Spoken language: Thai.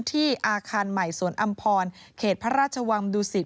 ที่อาคารใหม่สวนอำพรเขตพระราชวังดุสิต